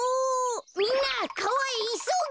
みんなかわへいそげ！